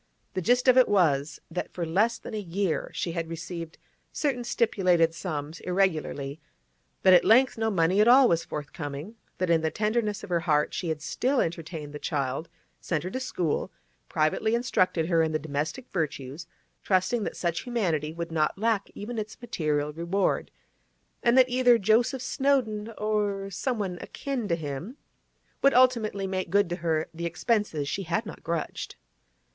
The gist of it was that for less than a year she had received certain stipulated sums irregularly; that at length no money at all was forthcoming; that in the tenderness of her heart she had still entertained the child, sent her to school, privately instructed her in the domestic virtues, trusting that such humanity would not lack even its material reward, and that either Joseph Snowdon or someone akin to him would ultimately make good to her the expenses she had not grudged.